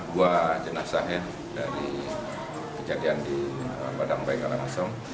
dua jenazah ya dari kejadian di padang bayi kalangasem